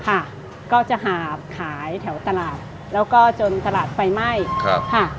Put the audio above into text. ค่ะก็จะหาบขายแถวตลาดแล้วก็จนตลาดไฟไหม้ครับค่ะ